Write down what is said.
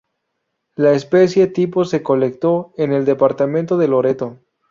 La especie tipo se colectó en el departamento de Loreto.